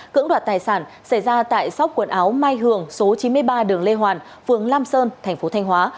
cưỡng đoạt tài sản xảy ra tại sóc quần áo mai hường số chín mươi ba đường lê hoàn phường lam sơn thành phố thanh hóa